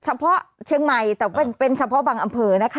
เฉพาะเชียงใหม่แต่เป็นเฉพาะบางอำเภอนะคะ